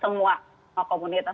semua komunitas umkm mendengar atas